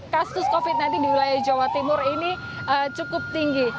kasus covid sembilan belas di wilayah jawa timur ini cukup tinggi